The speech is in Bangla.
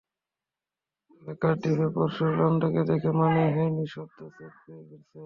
তবে কার্ডিফে পরশু রোনালদোকে দেখে মনেই হয়নি সদ্য চোট থেকে ফিরেছেন।